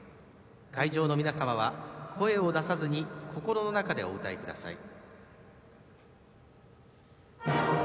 会場の皆様は声を出さずに心の中でお歌いください。